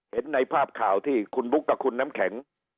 เห็นในภาพข่าวที่คุณบุ๊คกับคุณน้ำแข็ง